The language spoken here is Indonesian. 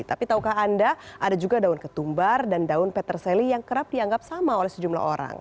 tapi tahukah anda ada juga daun ketumbar dan daun peterseli yang kerap dianggap sama oleh sejumlah orang